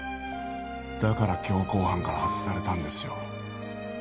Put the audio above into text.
だから強行犯から外されたんですよ